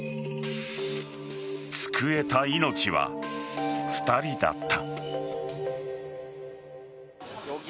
救えた命は２人だった。